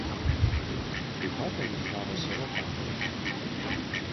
Taip pat ten jis gavo savo pravardę.